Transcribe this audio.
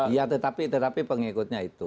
iya tetapi pengikutnya itu